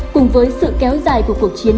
cùng với sự kéo dài của cuộc chiến